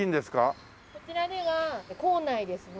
こちらでは坑内ですね